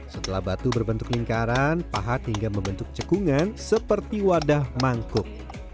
setelah batu berbentuk lingkaran pahat hingga membentuk cekungan seperti wadah mangkuk